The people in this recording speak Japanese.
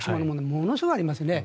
ものすごくありますよね。